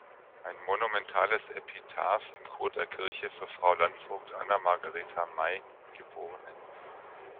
Ein monumentales Epitaph im Chor der Kirche, für Frau Landvogt Anna Margaretha May, geb.